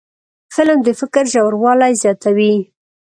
فلم د فکر ژوروالی زیاتوي